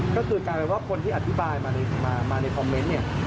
ก็คือกลายเป็นว่าคนที่อธิบายมาในคอมเมนต์เนี่ย